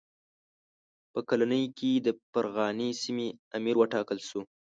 په کلنۍ کې د فرغانې سیمې امیر وټاکل شو.